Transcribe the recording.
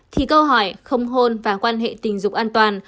thì câu hỏi không hôn và quan hệ tình dục an toàn